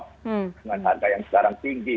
dengan harga yang sekarang tinggi